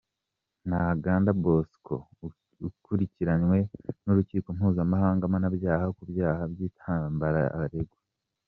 Ntaganda Bosco, ukurikiranywe n’Urukiko Mpuzamahanga mpanabyaha, ku byaha by’intambara aregwa.